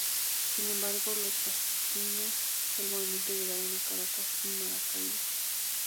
Sin embargo los pasquines del movimiento llegaron a Caracas y Maracaibo.